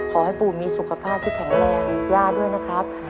ขอให้ปู่มีสุขภาพที่แข็งแรงย่าด้วยนะครับ